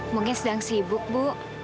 mungkin sedang sibuk bu